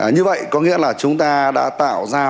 như vậy có nghĩa là chúng ta đã tạo ra